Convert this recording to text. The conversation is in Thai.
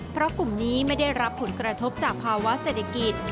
เพราะกลุ่มนี้ไม่ได้รับผลกระทบจากภาวะเศรษฐกิจ